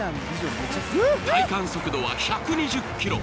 体感速度は１２０キロ。